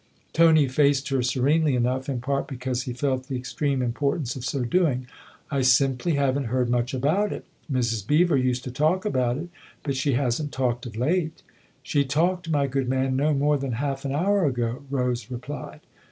Tony faced her serenely enough in part because he felt the extreme importance of so doing. " I simply haven't heard much about it. Mrs. Beever used to talk about it. But she hasn't talked of late." " She talked, my good man, no more than half an hour ago !" Rose replied.